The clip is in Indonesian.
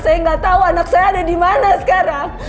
saya nggak tahu anak saya ada di mana sekarang